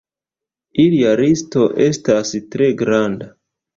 Ilia listo estas tre granda.